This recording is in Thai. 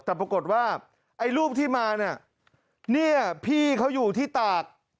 แต่ปรากฏว่าไอ้รูปที่มาเนี่ยเนี่ยพี่เขาอยู่ที่ตาก